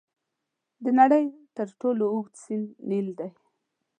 د نړۍ تر ټولو اوږد سیند نیل دی.